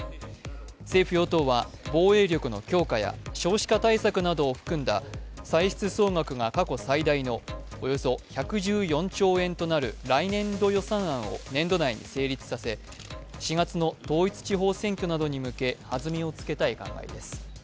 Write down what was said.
政府・与党は防衛力の強化や少子化対策などを含んだ歳出総額が過去最大のおよそ１１４兆円となる来年度予算案を年度内に成立させ４月の統一地方選挙などに向け弾みをつけたい考えです。